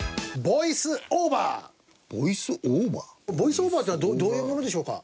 ボイスオーバーっていうのはどういうものでしょうか？